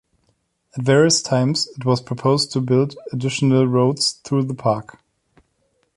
At various times, it was proposed to build additional roads through the park.